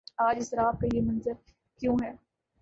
آج اضطراب کا یہ منظر کیوں ہے؟